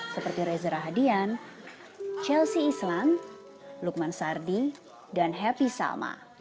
seperti reza rahadian chelsea islan lukman sardi dan happy salma